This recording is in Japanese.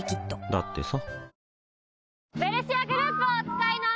だってさ